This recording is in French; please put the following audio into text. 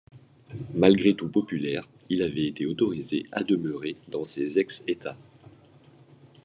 Malgré tout populaire, il avait été autorisé à demeurer dans ses ex-États.